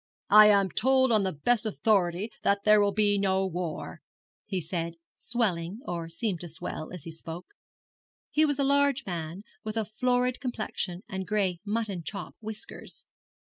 'I am told on the best authority that there will be no war,' he said, swelling, or seeming to swell, as he spoke. He was a large man, with a florid complexion and gray mutton chop whiskers.